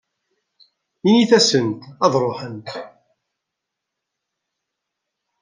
Init-asent ad ṛuḥent.